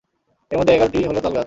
এর মধ্যে এগারটি হলো তালগাছ।